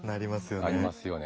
ありますよね。